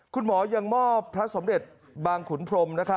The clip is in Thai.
คุณหมอยังมอบพระสมเด็จบางขุนพรม